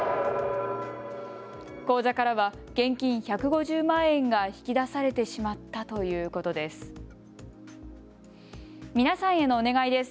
口座からは現金１５０万円が引き出されてしまったということです。